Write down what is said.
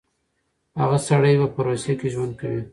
هغه سړی به په روسيه کې ژوند کوي.